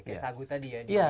kayak sagu tadi ya